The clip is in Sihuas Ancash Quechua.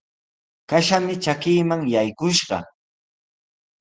Kashami trakiiman yakushqa.